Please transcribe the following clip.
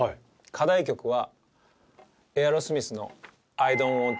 課題曲は。